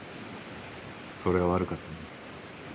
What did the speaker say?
それは悪かったね。